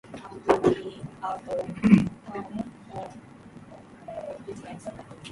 His parents divorced when he was three years old.